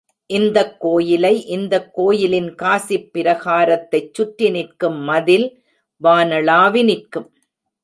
இந்தக் கோயிலை, இந்தக் கோயிலின் காசிப் பிரகாரத்தைச் சுற்றி நிற்கும் மதில் வானளாவி நிற்கும்.